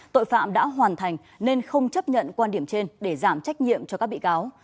tội phạm đã hoàn thành nên không chấp nhận quan điểm trên để giảm trách nhiệm cho các bị cáo